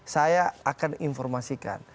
saya akan informasikan